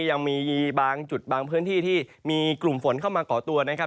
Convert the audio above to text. ยังมีบางจุดบางพื้นที่ที่มีกลุ่มฝนเข้ามาก่อตัวนะครับ